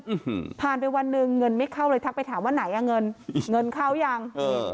อืมผ่านไปวันหนึ่งเงินไม่เข้าเลยทักไปถามว่าไหนอ่ะเงินเงินเข้ายังเออ